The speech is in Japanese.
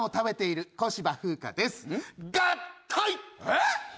えっ！